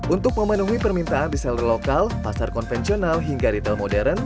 untuk memenuhi permintaan reseller lokal pasar konvensional hingga retail modern